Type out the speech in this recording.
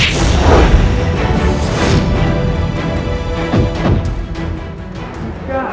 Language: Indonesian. sampai jumpa di video selanjutnya